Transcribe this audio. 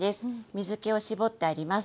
水けを絞ってあります。